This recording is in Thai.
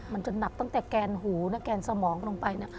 มันจะหนักตั้งแต่แกนหูนะแกนสมองลงไป